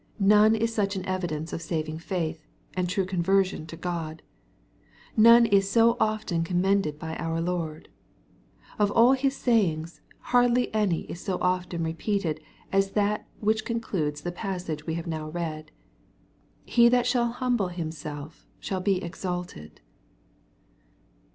None is such an evidence of saving faith, and true conversion to God. None is so often commended by our Lord. Of all His sayings, hardly any is so often repeated as that which concludes the passage we have now read, " He that shall humble himself shall te ex alted."